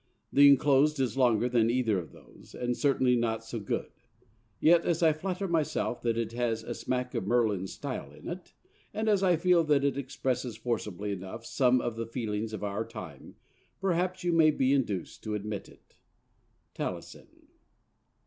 The enclosed is longer than either of those, and certainly not so good: yet as I flatter myself that it has a smack of Merlin's style in it, and as I feel that it expresses forcibly enough some of the feelings of our time, perhaps you may be induced to admit it. TALIESSEN.